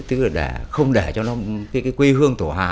tức là để không để cho nó cái quê hương thổ hà